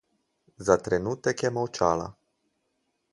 Za trenutek je molčala.